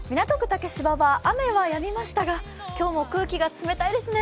竹芝は雨はやみましたが今日も空気が冷たいですね。